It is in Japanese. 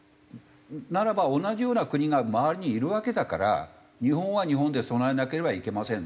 ならば同じような国が周りにいるわけだから日本は日本で備えなければいけませんねっていう事ですよ。